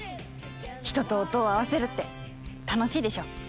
人と音を合わせるって楽しいでしょう。